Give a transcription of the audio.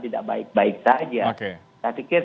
tidak baik baik saja saya pikir